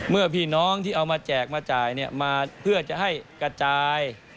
พี่น้องที่เอามาแจกมาจ่ายมาเพื่อจะให้กระจาย